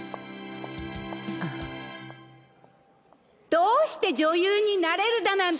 どうして女優になれるだなんて！